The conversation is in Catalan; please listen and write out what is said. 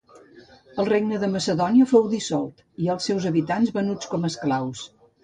El regne de Macedònia fou dissolt i els seus habitants venuts com esclaus.